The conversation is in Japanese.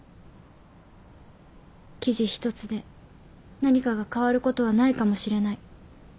記事一つで何かが変わることはないかもしれない。